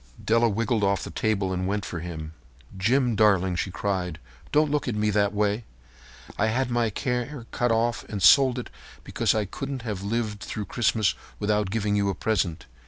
Della wriggled off the table and went for him. "Jim, darling," she cried, "don't look at me that way. I had my hair cut off and sold because I couldn't have lived through Christmas without giving you a present.